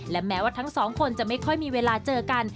และแม้ว่าทั้งสองคนจะไม่ค่อยมีเวลาเจอกัน